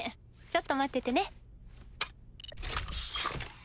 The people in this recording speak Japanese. ちょっと待っててね。